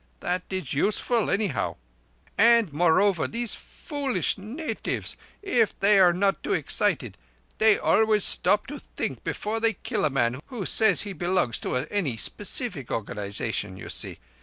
That is useful, anyhow. And moreover, these foolish natives—if they are not too excited—they always stop to think before they kill a man who says he belongs to any speecific organization. You see?